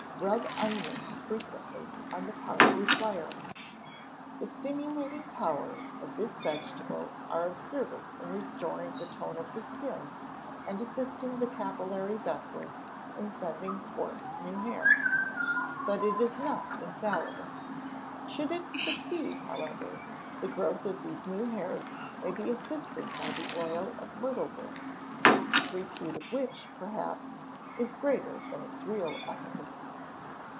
Rub onions frequently on the part requiring it. The stimulating powers of this vegetable are of service in restoring the tone of the skin, and assisting the capillary vessels in sending forth new hair; but it is not infallible. Should it succeed, however, the growth of these new hairs may be assisted by the oil of myrtle berries, the repute of which, perhaps, is greater than its real efficacy.